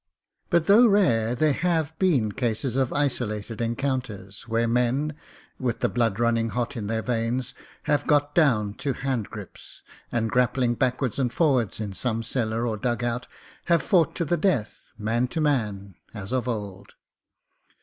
But, though rare, there have been cases of isolated encounters, where men — ^with the blood running hot in their veins — have got down to 23 24 MEN, WOMEN AND GUNS hand grips, and grappling backwards and forwards in some cellar or dugout, have fought to the death, man to man, as of old.